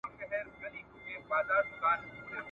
د ژوند بریا د باور، هیلو او هڅو پایله ده.